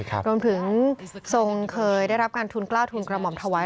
รวมถึงทรงเคยได้รับการทุนกล้าวทุนกระหม่อมถวาย